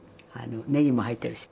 ねぎも入ってるし。